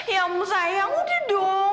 ya sayang udah dong